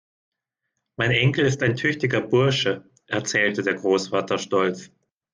"Mein Enkel ist ein tüchtiger Bursche", erzählte der Großvater stolz.